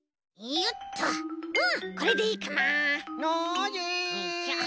よいしょ。